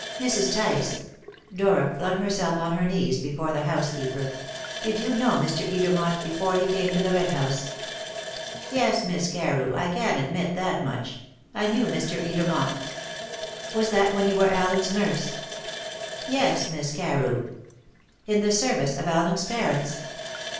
Mrs. Tice" Dora flung herself on her knees before the housekeeper "did you know Mr. Edermont before he came to the Red House?" "Yes, Miss Carew, I can admit that much: I knew Mr. Edermont." "Was that when you were Allen's nurse?" "Yes, Miss Carew." "In the service of Allen's parents?"